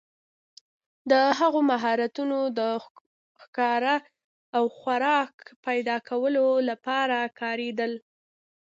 د هغوی مهارتونه د ښکار او خوراک پیداکولو لپاره کارېدل.